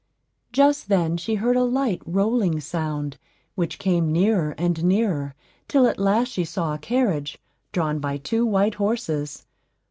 Just then she heard a light, rolling sound, which came nearer and nearer, till at last she saw a carriage, drawn by two white horses.